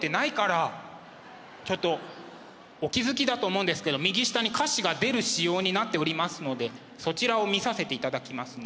ちょっとお気付きだと思うんですけど右下に歌詞が出る仕様になっておりますのでそちらを見させていただきますね。